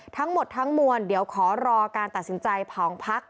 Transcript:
ทั้งหมดทั้งมวลเดี๋ยวขอรอการตัดสินใจของพัก